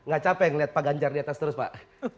enggak capek ngelihat pak ganjar di atas terus pak